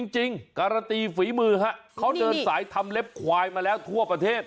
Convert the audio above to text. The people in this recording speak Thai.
การันตีฝีมือฮะเขาเดินสายทำเล็บควายมาแล้วทั่วประเทศ